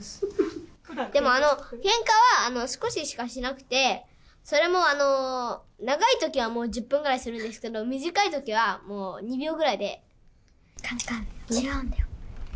でもけんかは少ししかしなくて、それも、長いときはもう１０分ぐらいするんですけど、短いときはもう２秒かんかん、違うんだよ。